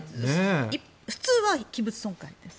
普通は器物損壊です。